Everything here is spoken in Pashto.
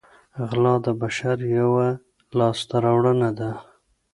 غلا د بشر یوه لاسته راوړنه ده